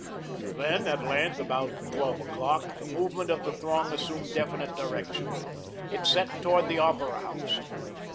Then, at length, about twelve o'clock, the movement of the throng assumed definite direction. It set towards the Opera House.